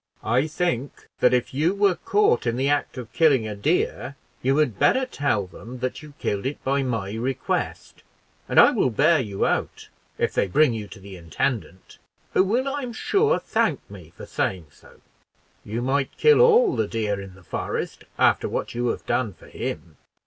I think that if you were caught in the act of killing a deer, you had better tell, them that you killed it by my request, and I will bear you out if they bring you to the intendant, who will, I'm sure, thank me for saying so; you might kill all the deer in the forest, after what you have done for him."